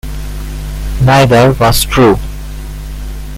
Neither was true.